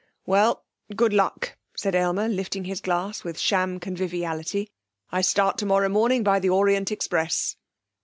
'Well! Good luck!' said Aylmer, lifting his glass with sham conviviality.' I start tomorrow morning by the Orient Express.'